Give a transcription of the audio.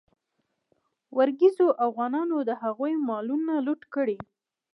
ورکزیو اوغانانو د هغوی مالونه لوټ کړي.